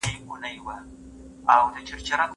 د مینې کیسې وکړو د هغې ستړې اروا ته